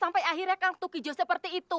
sampai akhirnya kang tukijo seperti itu